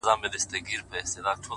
جالبه دا ده یار چي مخامخ جنجال ته ګورم؛